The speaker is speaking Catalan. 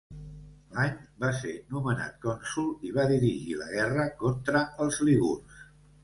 L'any va ser nomenat cònsol i va dirigir la guerra contra els lígurs.